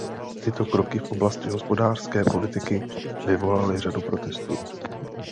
Tyto kroky v oblasti hospodářské politiky vyvolaly řadu protestů.